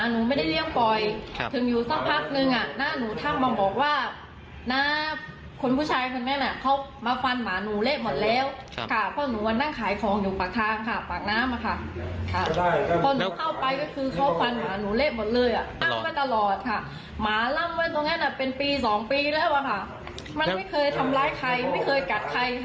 นี่มันเป็นปี๒ปีแล้วล่ะค่ะมันไม่เคยทำร้ายใครไม่เคยกัดใครค่ะ